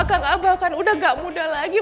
kang abal kan udah gak muda lagi